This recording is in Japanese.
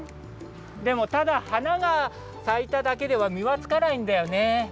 でもただはながさいただけではみはつかないんだよね。